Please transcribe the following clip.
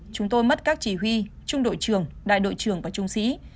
chúng tôi mất các chỉ huy trung đội trưởng đại đội trường và trung sĩ